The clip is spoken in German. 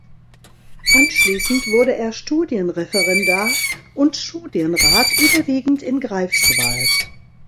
Anschließend wurde er Studienreferendar und Studienrat überwiegend in Greifswald.